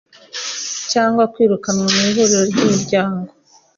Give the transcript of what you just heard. cyangwa kwirukanwa mu Ihuriro ry Imiryango